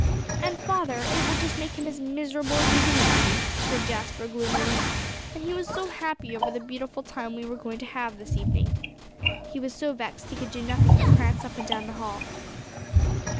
"And father it will just make him as miserable as can be," said Jasper gloomily. "And he was so happy over the beautiful time we were going to have this evening." He was so vexed he could do nothing but prance up and down the hall.